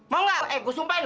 mau gak eh gue sumpahin